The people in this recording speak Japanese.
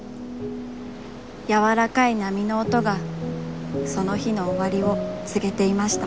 やわらかい波の音が、その日のおわりをつげていました。